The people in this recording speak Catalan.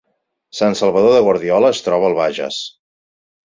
Sant Salvador de Guardiola es troba al Bages